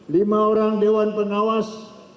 lima orang dewan pengawas